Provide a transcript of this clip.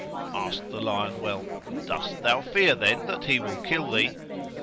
Asked the lion whelp, 'Dost thou fear then that he will kill thee?'